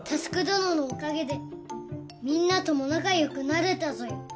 どののおかげでみんなとも仲良くなれたぞよ。